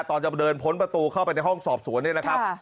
ตอนจะเดินพ้นประตูเข้าไปในห้องสอบสวนนี่แหละครับ